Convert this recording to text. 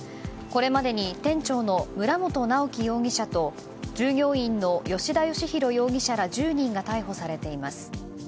これまでに店長の村本直樹容疑者と従業員の吉田芳洋容疑者ら１０人が逮捕されています。